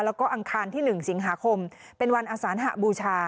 แล้วก็อังคารที่๑สิงหาคมเป็นวันอสานหบูชา